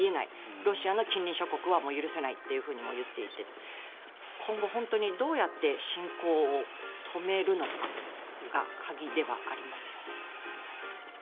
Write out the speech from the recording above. ロシアの近隣諸国は許せないと言っていて今後、本当にどうやって侵攻を止めるのかが鍵ではありますよね。